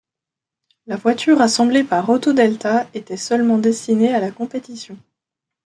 La voiture assemblée par Autodelta était seulement destinée à la compétition.